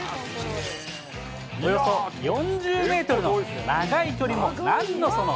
およそ４０メートルの長い距離もなんのその。